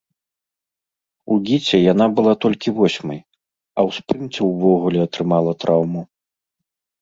У гіце яна была толькі восьмай, а ў спрынце ўвогуле атрымала траўму.